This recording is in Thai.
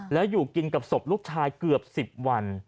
แล้วอยู่กินกับศพลูกชายเกือบ๑๐วัน